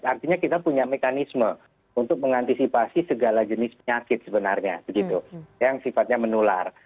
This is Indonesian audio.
artinya kita punya mekanisme untuk mengantisipasi segala jenis penyakit sebenarnya yang sifatnya menular